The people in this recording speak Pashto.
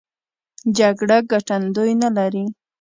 جګړه ګټندوی نه لري.